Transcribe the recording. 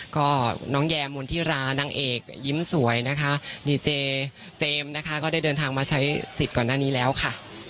ก็น้องแยมนธิรานางเอกยิ้มสวยนะคะดีเจเจมส์นะคะก็ได้เดินทางมาใช้สิทธิ์ก่อนหน้านี้แล้วค่ะ